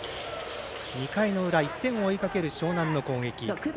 ２回の裏、１点を追いかける樟南の攻撃。